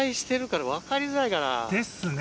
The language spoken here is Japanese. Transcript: ですね。